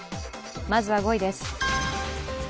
まずは５位です。